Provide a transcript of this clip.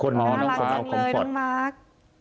น้องมาร์คจังเลยน้องมาร์ค